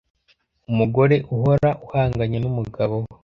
Umugore uhora ahanganye n’umugabo we